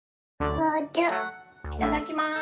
いただきます。